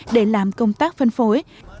để làm công tác phân phối